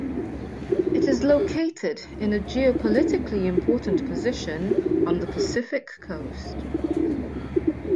It is located in a geopolitically important position on the Pacific coast.